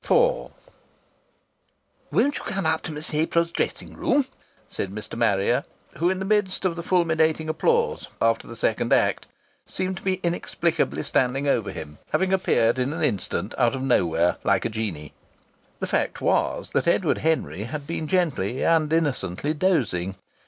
IV "Won't you cam up to Miss April's dressing room?" said Mr. Harrier, who in the midst of the fulminating applause after the second act seemed to be inexplicably standing over him, having appeared in an instant out of nowhere like a genie. The fact was that Edward Henry had been gently and innocently dozing.